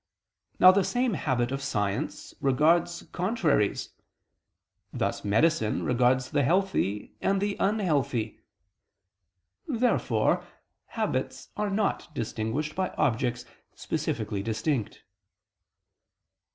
Now the same habit of science regards contraries: thus medicine regards the healthy and the unhealthy. Therefore habits are not distinguished by objects specifically distinct.